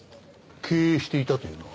「経営していた」というのは？